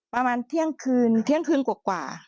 ประมาณเที่ยงคืนกว่ากว่า